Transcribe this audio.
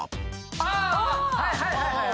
はいはいはいはい！